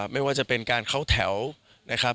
ไม่ว่าจะเป็นการเข้าแถวนะครับ